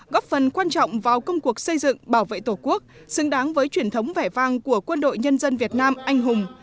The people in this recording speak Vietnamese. góp phần quan trọng vào công cuộc xây dựng bảo vệ tổ quốc xứng đáng với truyền thống vẻ vang của quân đội nhân dân việt nam anh hùng